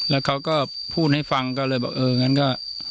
แล้วเขาก็พูดให้ฟังก็เลยบอกเออ